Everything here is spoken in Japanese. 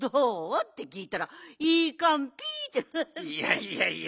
いやいやいや。